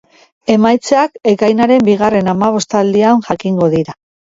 Emaitzak ekainaren bigarren hamabostaldian jakingo dira.